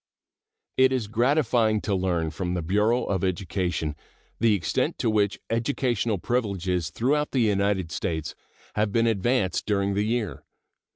It is gratifying to learn from the Bureau of Education the extent to which educational privileges throughout the United States have been advanced during the year.